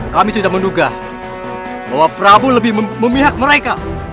kami sudah menduga bahwa prabu lebih memihak mereka